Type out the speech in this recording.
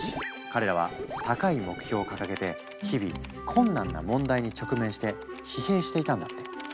彼らは高い目標を掲げて日々困難な問題に直面して疲弊していたんだって。